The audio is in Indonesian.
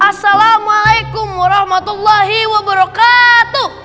assalamualaikum warahmatullahi wabarakatuh